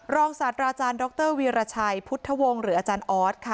ศาสตราอาจารย์ดรวีรชัยพุทธวงศ์หรืออาจารย์ออสค่ะ